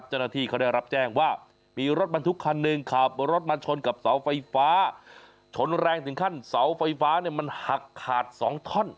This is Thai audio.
ชนกับเสาไฟฟ้าชนแรงถึงขั้นเสาไฟฟ้าเนี่ยมันหักขาดสองท่อน